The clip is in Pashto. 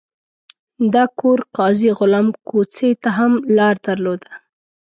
دا کور قاضي غلام کوڅې ته هم لار درلوده.